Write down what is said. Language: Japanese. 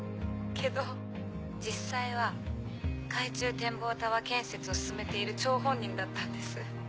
けど実際は海中展望タワー建設を進めている張本人だったんです。